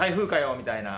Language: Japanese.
みたいな。